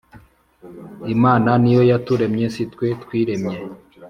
Imana ni yo yaturemye si twe twiremye